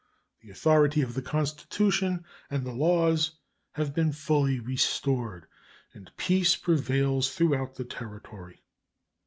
The authority of the Constitution and the laws has been fully restored and peace prevails throughout the Territory.